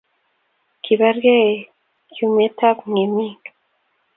kibargei kayumetab ng'emik.